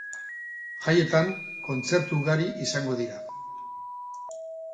Jaietan kontzertu ugari izango dira.